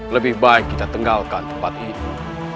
lebih baik kita tinggalkan tempat ini